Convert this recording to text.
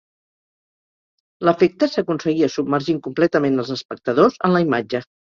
L'efecte s'aconseguia submergint completament els espectadors en la imatge.